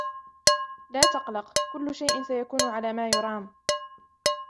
لا تقلق, كل شئ سيكون على ما يرام.